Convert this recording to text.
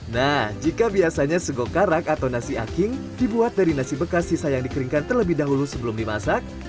nah jika biasanya sego karak atau nasi aking dibuat dari nasi bekas sisa yang dikeringkan terlebih dahulu sebelum dimasak